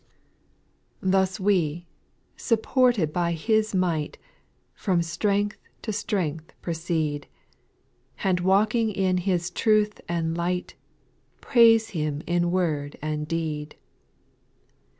Thus we, supported by His might, From strength to strength proceed, And walking in Ilis truth and light ; Praise Ilim in word and deed.